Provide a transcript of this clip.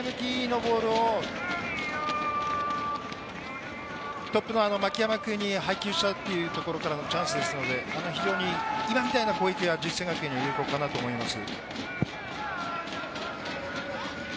今のも、前向きのボールをトップの牧山君に配球したっていうところからのチャンスですので、非常に今みたいな攻撃は実践学園には有効かなと思います。